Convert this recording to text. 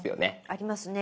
ありますね。